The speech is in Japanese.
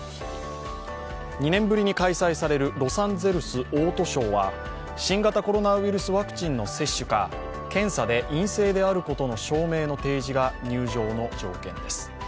２年ぶりに開催されるロサンゼルスオートショーは新型コロナウイルスワクチンの接種か、検査で陰性であることの証明の提示が入場の条件です。